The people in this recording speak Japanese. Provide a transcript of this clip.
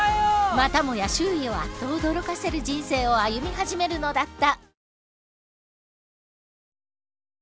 またもや周囲をあっと驚かせる人生を歩み始めるのだった。